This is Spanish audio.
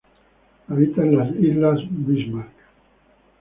Habita en las islas Bismarck.